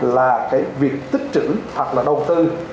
là cái việc tích trữ hoặc là đầu tư